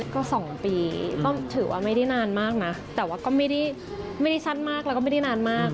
ก็๒ปีก็ถือว่าไม่ได้นานมากนะแต่ว่าก็ไม่ได้สั้นมากแล้วก็ไม่ได้นานมาก